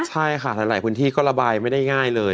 ใช่ค่ะหลายพื้นที่ก็ระบายไม่ได้ง่ายเลย